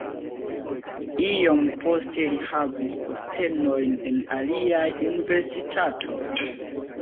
Iom poste li havis postenojn en aliaj universitatoj.